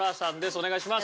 お願いします。